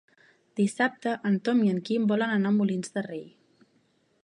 Dissabte en Tom i en Quim volen anar a Molins de Rei.